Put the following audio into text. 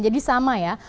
jadi sama ya